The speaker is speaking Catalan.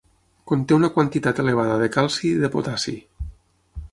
Conté una quantitat elevada de calci i de potassi.